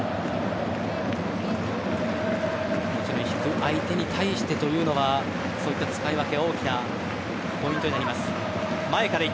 引く相手に対してというのはそういった使い分けは大きなポイントになります。